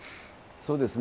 そうですね。